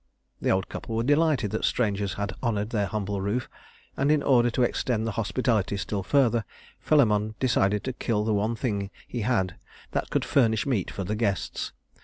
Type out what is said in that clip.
The old couple were delighted that strangers had honored their humble roof, and in order to extend the hospitality still further, Philemon decided to kill the one thing he had that could furnish meat for the guests.